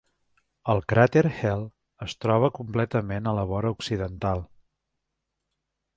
El cràter Hell es troba completament a la vora occidental.